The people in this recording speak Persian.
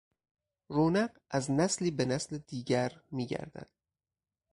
رونق از نسلی به نسل دیگر میگردد.